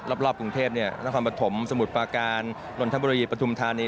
รอบกรุงเทพฯในความประถมสมุทรปาการหล่นธันวุรีประถุมธานี